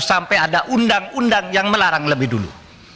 sampai ada undang undang yang melarang lebih dulu